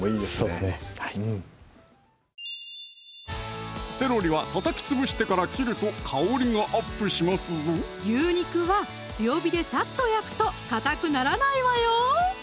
そうですねはいセロリは叩きつぶしてから切ると香りがアップしますぞ牛肉は強火でサッと焼くとかたくならないわよ